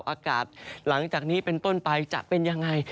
อากาศหลังจากนี้เป็นต้นไปจะเป็นยังไง